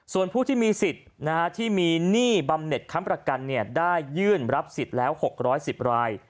ส่วนผู้ที่มีสิทธิ์ที่มีหนี้บำเน็ตค้ำประกันได้ยื่นรับสิทธิ์แล้ว๖๑๐ราย